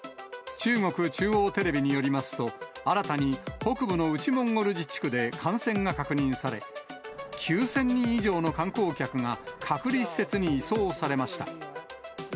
中国中央テレビによりますと、新たに北部の内モンゴル自治区で感染が確認され、９０００人以上の観光客が隔離施設に移送されました。